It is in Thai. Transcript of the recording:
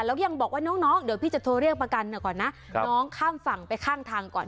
แล้วยังบอกว่าน้องเดี๋ยวพี่จะโทรเรียกประกันก่อนนะน้องข้ามฝั่งไปข้างทางก่อน